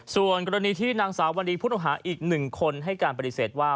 ส่วนกรณีที่นางสาววันนี้ผู้ต้องหาอีก๑คนให้การปฏิเสธว่า